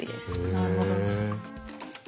なるほど。